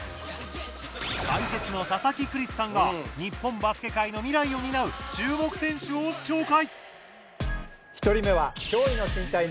解説の佐々木クリスさんが日本バスケ界の未来を担う注目選手を紹介。